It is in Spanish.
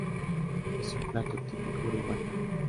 Es un plato típico Uruguayo.